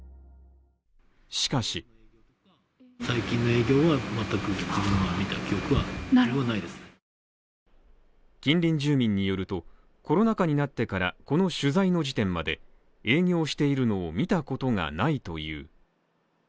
しかし近隣住民によると、コロナ禍になってから、この取材の時点まで営業しているのを見たことがないという。